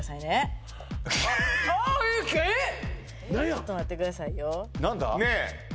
ちょっと待ってくださいよねえ！